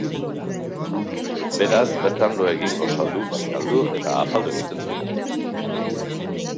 Beraz, bertan lo egin, gosaldu, bazkaldu eta afaldu egiten zuten.